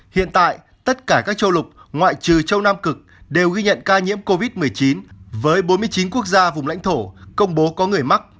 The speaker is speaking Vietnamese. hiện tại tất cả các châu lục ngoại trừ châu nam cực đều ghi nhận ca nhiễm covid một mươi chín với bốn mươi chín quốc gia vùng lãnh thổ công bố có người mắc